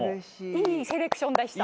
いいセレクションだった。